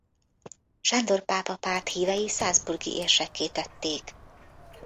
Sándor pápa párthívei salzburgi érsekké tették.